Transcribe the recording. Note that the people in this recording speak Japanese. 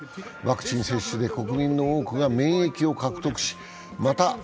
ワクチン接種で国民の多くが免疫を獲得しまた